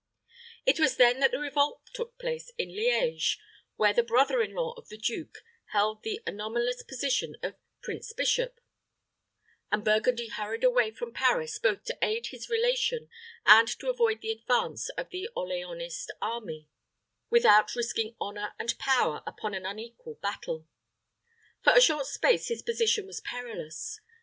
It was then that a revolt took place in Liege, where the brother in law of the duke held the anomalous position of prince bishop; and Burgundy hurried away from Paris both to aid his relation, and to avoid the advance of the Orleanist army, without risking honor and power upon an unequal battle. For a short space his position was perilous.